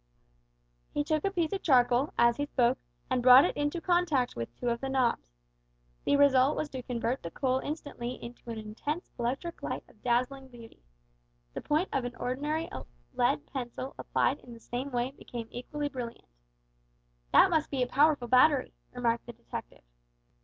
He took a piece of charcoal, as he spoke, and brought it into contact with two of the knobs. The result was to convert the coal instantly into an intense electric light of dazzling beauty. The point of an ordinary lead pencil applied in the same way became equally brilliant. "That must be a powerful battery," remarked the detective.